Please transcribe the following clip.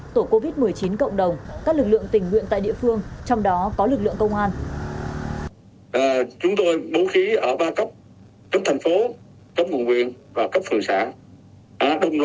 tổ covid một mươi chín cộng đồng các lực lượng tình nguyện tại địa phương